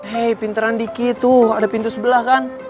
hei pintaran dikit tuh ada pintu sebelah kan